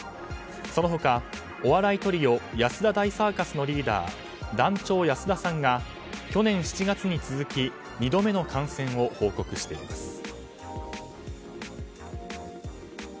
その他、お笑いトリオ安田大サーカスのリーダー団長安田さんが去年７月に続き２度目の感染を報告しています。